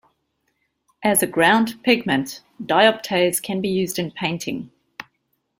As a ground pigment, dioptase can be used in painting.